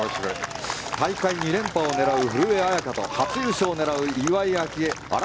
大会２連覇を狙う古江彩佳と初優勝を狙う岩井明愛。